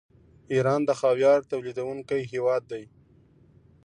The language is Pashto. ایران د خاویار تولیدونکی هیواد دی.